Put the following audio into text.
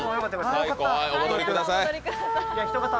最高、お戻りください。